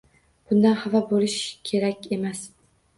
Bundan xafa boʻlish kerak emas.